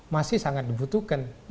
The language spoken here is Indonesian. masih sangat dibutuhkan